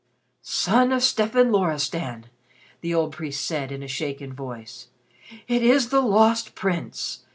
"Son of Stefan Loristan," the old priest said, in a shaken voice, "it is the Lost Prince!